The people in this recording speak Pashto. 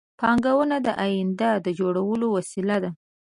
پانګونه د آینده د جوړولو وسیله ده